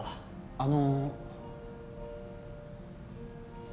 あの。